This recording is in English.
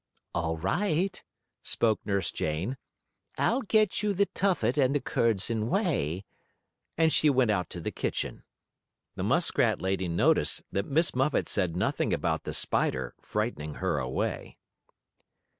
"All right," spoke Nurse Jane. "I'll get you the tuffet and the curds and whey," and she went out to the kitchen. The muskrat lady noticed that Miss Muffet said nothing about the spider frightening her away.